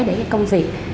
để công việc